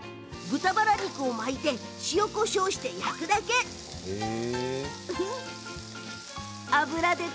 豚バラ肉を巻いて塩こしょうして、焼くだけです。